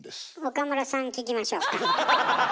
岡村さん聞きましょうか。